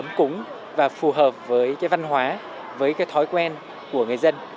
ấm cúng và phù hợp với cái văn hóa với cái thói quen của người dân